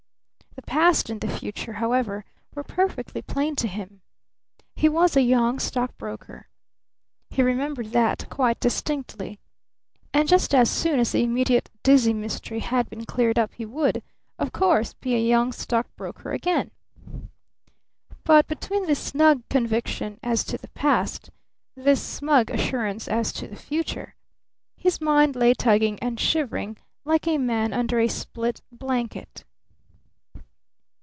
The Past and the Future, however, were perfectly plain to him. He was a young stock broker. He remembered that quite distinctly! And just as soon as the immediate dizzy mystery had been cleared up he would, of course, be a young stock broker again! But between this snug conviction as to the Past, this smug assurance as to the Future, his mind lay tugging and shivering like a man under a split blanket.